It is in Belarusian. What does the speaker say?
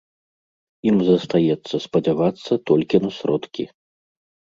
Ім застаецца спадзявацца толькі на сродкі.